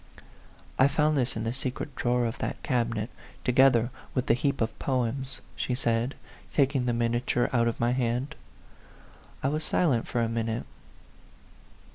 I found this in the secret drawer of that cabinet, together with the heap of poems," she said, taking the miniature out of my hand. I was silent for a minute.